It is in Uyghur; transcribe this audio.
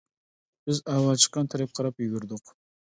بىز ئاۋاز چىققان تەرەپكە قاراپ يۈگۈردۇق.